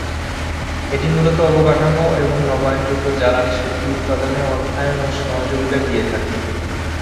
এটি মূলত অবকাঠামো এবং নবায়নযোগ্য জ্বালানি শক্তি উৎপাদনে অর্থায়ন ও সহযোগিতা দিয়ে থাকে।